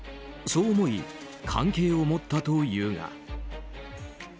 そう思い関係を持ったというが。